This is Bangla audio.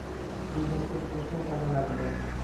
এই দেখ তোর পোস্টার, কেমন লাগলো?